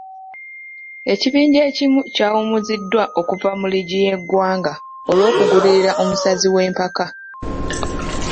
Ekibiinja ekimu kyawumuziddwa okuva mu liigi y'eggwanga olwokugulirira omusazi w'empaka.